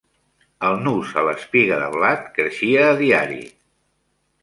El nus a l'espiga de blat creixia a diari.